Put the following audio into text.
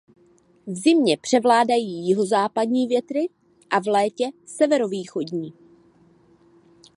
V zimě převládají jihozápadní větry a v létě severovýchodní.